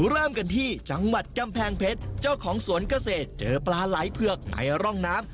เริ่มกันที่จังหวัดกำแพงเพชรเจ้าของสวนเกษตรเจอปลาไหลเผือกในร่องน้ำ